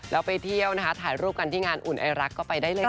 แล้วไปเที่ยวนะคะถ่ายรูปกันที่งานอุ่นไอรักก็ไปได้เลยค่ะ